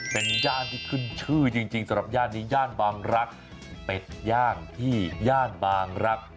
เป็นย่านที่ขึ้นชื่อจริงสำหรับย่านนี้ย่านบางรักเป็ดย่างที่ย่านบางรัก